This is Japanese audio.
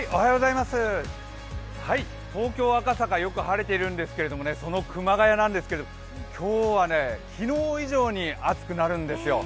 東京・赤坂、よく晴れているんですけどもその熊谷なんですけれども、今日は昨日以上に暑くなるんですよ。